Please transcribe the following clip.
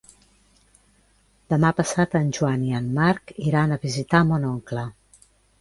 Demà passat en Joan i en Marc iran a visitar mon oncle.